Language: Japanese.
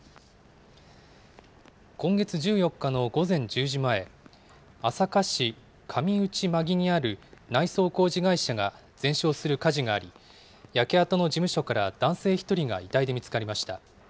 今月１４日の午前１０時前、朝霞市上内間木にある内装工事会社が全焼する火事があり、焼け跡の事務所から男性１人が遺体で見つかりました。